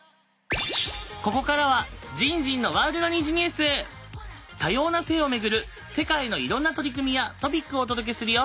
ここからは多様な性を巡る世界のいろんな取り組みやトピックをお届けするよ。